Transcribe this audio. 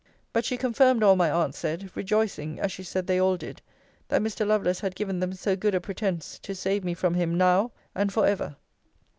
But she confirmed all my aunt said; rejoicing (as she said they all did) that Mr. Lovelace had given them so good a pretence to save me from him now, and for ever.